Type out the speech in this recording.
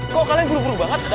kok kalian buru buru banget